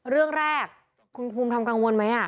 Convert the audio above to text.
เรื่องแรกคุณภูมิทำกังวลไหม